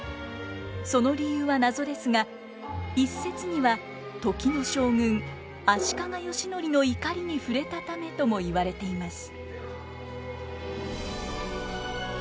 その理由は謎ですが一説には時の将軍足利義教の怒りにふれたためとも言われています。